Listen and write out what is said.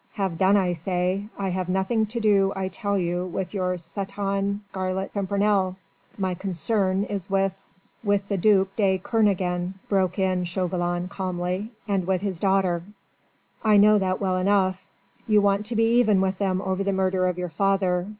Have done, I say. I have nothing to do, I tell you, with your satané Scarlet Pimpernel. My concern is with...." "With the duc de Kernogan," broke in Chauvelin calmly, "and with his daughter; I know that well enough. You want to be even with them over the murder of your father.